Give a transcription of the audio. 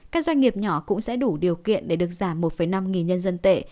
các doanh nghiệp nhỏ cũng sẽ đủ điều kiện để được giảm một năm nghìn nhân dân tệ